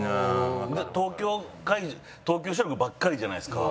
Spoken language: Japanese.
東京東京収録ばっかりじゃないですか。